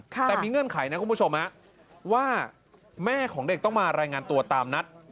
แต่มีเงื่อนไขนะคุณผู้ชมว่าแม่ของเด็กต้องมารายงานตัวตามนัด